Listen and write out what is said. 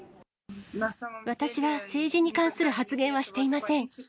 私は政治に関する発言はしていません。